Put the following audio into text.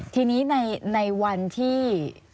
ทีนี้ในวันที่